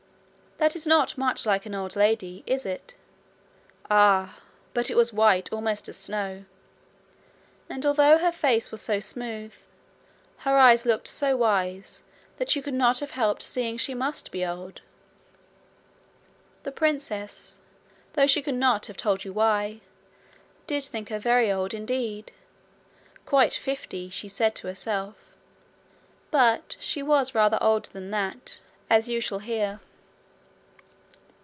That is not much like an old lady is it? Ah! but it was white almost as snow. And although her face was so smooth, her eyes looked so wise that you could not have helped seeing she must be old. The princess, though she could not have told you why, did think her very old indeed quite fifty, she said to herself. But she was rather older than that, as you shall hear.